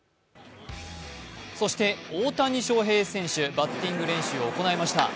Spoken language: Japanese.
そして大谷翔平選手、バッティング練習を行いました。